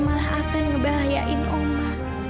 malah akan ngebahayain oma